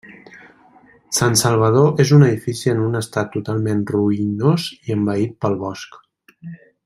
Sant Salvador és un edifici en un estat totalment ruïnós i envaït pel bosc.